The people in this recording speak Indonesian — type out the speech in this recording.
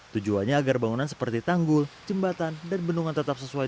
tujuannya agar bangunan seperti tanggul jembatan dan bendungan tetap sesuai